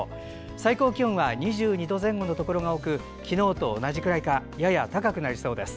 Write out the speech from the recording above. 最高気温は２２度前後のところが多く昨日と同じくらいかやや高くなりそうです。